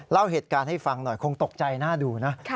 เล่าเหตุการณ์ให้ฟังหน่อยคงตกใจน่าดูนะ